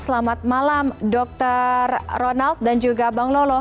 selamat malam dr ronald dan juga bang lolo